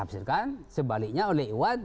sebaliknya oleh iwan